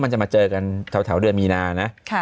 มันจะมาเจอกันเท่าเดือนมีนานะ